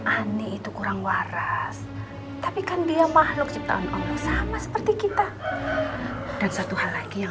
aneh itu kurang waras tapi kan dia makhluk ciptaan allah sama seperti kita dan satu hal lagi yang